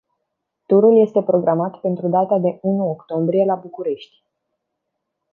Turul este programat pentru data de unu octombrie, la București.